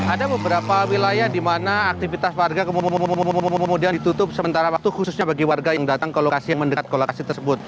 ada beberapa wilayah di mana aktivitas warga kemudian ditutup sementara waktu khususnya bagi warga yang datang ke lokasi yang mendekat ke lokasi tersebut